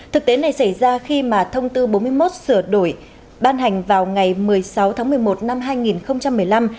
thực tế này xảy ra khi mà thông tư bốn mươi một sửa đổi ban hành vào ngày một mươi sáu tháng một mươi một năm hai nghìn một mươi năm